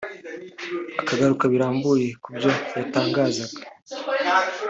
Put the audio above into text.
akagaruka birambuye ku byo yatangazaga